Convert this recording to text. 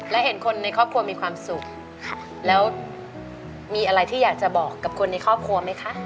และเห็นคนในครอบครัวมีความสุขแล้วมีอะไรที่อยากจะบอกกับคนในครอบครัวไหมคะ